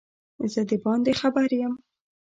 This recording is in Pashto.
زه دباندي خبر یم